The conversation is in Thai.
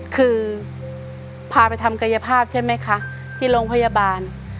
คือพาไปทำกายภาพใช่ไหมคะที่โรงพยาบาล